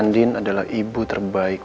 andin adalah ibu terbaikku